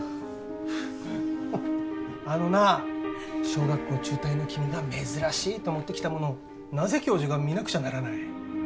あのなあ小学校中退の君が珍しいと持ってきたものをなぜ教授が見なくちゃならない？